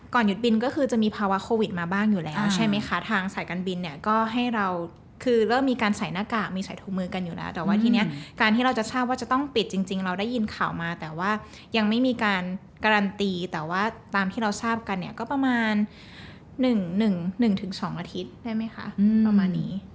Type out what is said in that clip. หยุดบินก็คือจะมีภาวะโควิดมาบ้างอยู่แล้วใช่ไหมคะทางสายการบินเนี่ยก็ให้เราคือเริ่มมีการใส่หน้ากากมีสายถูกมือกันอยู่แล้วแต่ว่าทีนี้การที่เราจะทราบว่าจะต้องปิดจริงเราได้ยินข่าวมาแต่ว่ายังไม่มีการการันตีแต่ว่าตามที่เราทราบกันเนี่ยก็ประมาณ๑๒อาทิตย์ได้ไหมคะประมาณนี้